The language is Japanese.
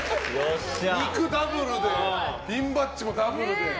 肉ダブルでピンバッジもダブル。